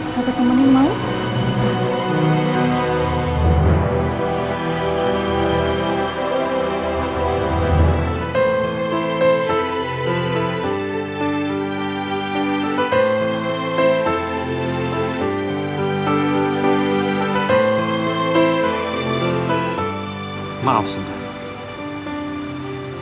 tapi temen mau maaf